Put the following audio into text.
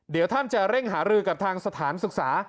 เดี๋ยวท่านจะเร่งหารือกับทางสถานศึกษา